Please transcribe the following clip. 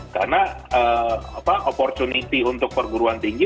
karena opportunity untuk perguruan tinggi